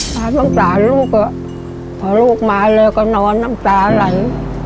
พลาสังสารลูกอะพอลูกมาเลยก็นอนน้ำตาไหล